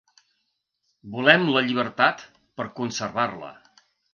Volem la llibertat per conservar-la.